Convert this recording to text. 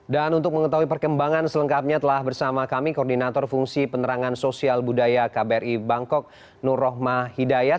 dan untuk mengetahui perkembangan selengkapnya telah bersama kami koordinator fungsi penerangan sosial budaya kbri bangkok nur rohmah hidayat